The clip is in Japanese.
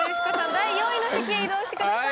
第４位の席へ移動してください。